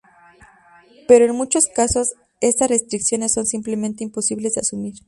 Pero en muchos casos, estas restricciones son simplemente imposibles de asumir.